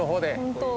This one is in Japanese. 本当。